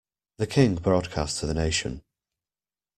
The King broadcast to the nation.